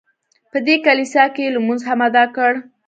په دې کلیسا کې یې لمونځ هم ادا کړ.